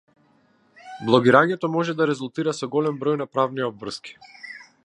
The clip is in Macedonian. Блогирањето може да резултира со голем број на правни обврски.